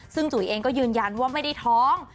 ซึ่งจุ๋ยเองก็ยืนยันว่าไม่ได้ท้อง